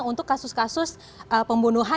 untuk kasus kasus pembunuhan